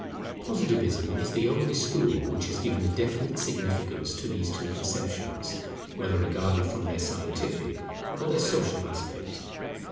Positivism is the only school which has given a definite significance to these two conceptions, whether regarded from their scientific or their social aspect.